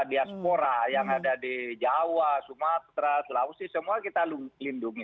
diaspora yang ada di jawa sumatera sulawesi semua kita lindungi